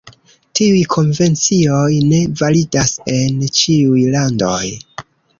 Tiuj konvencioj ne validas en ĉiuj landoj.